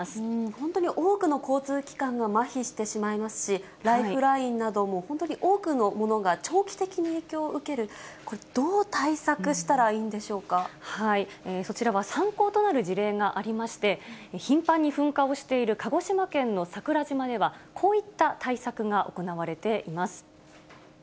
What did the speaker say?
本当に多くの交通機関がまひしてしまいますし、ライフラインなども本当に多くのものが長期的に影響を受ける、そちらは参考となる事例がありまして、頻繁に噴火をしている鹿児島県の桜島では、こういった対策が行われています。